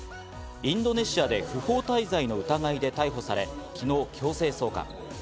インドネシアで不法滞在の疑いで逮捕され昨日強制送還。